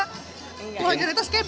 mbak jan etes kayaknya bingung ya